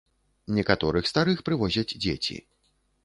Некаторых старых прывозяць дзеці.